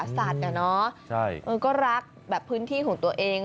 สัตว์อ่ะเนอะใช่มันก็รักแบบพื้นที่ของตัวเอง